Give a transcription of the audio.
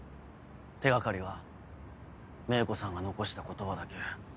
手掛かりは芽衣子さんが残した言葉だけ。